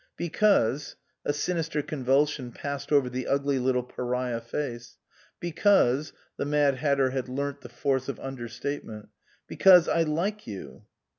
" Because " a sinister convulsion passed over the ugly little pariah face " because " the Mad Hatter had learnt the force of under statement "because I like you."